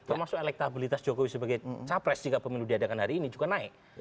termasuk elektabilitas jokowi sebagai capres jika pemilu diadakan hari ini juga naik